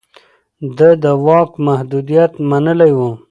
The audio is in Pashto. ده د واک محدوديت منلی و.